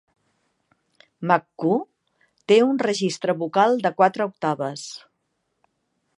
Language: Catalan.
McCoo té un registre vocal de quatre octaves.